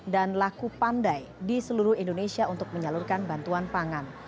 dan laku pandai di seluruh indonesia untuk menyalurkan bantuan pangan